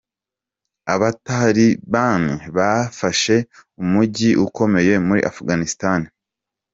Abataliban bafashe umuji ukomeye muri Afghanistan.